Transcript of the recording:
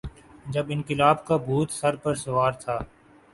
جب انقلاب کا بھوت سر پہ سوار تھا۔